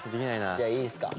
じゃあいいですか？